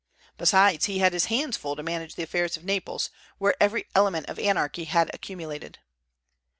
Besides, he had his hands full to manage the affairs of Naples, where every element of anarchy had accumulated.